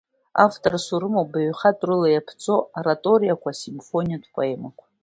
Авторс урымоуп баҩхатәрала иаԥҵоу аораториақәа, асимфониатә поемақәа.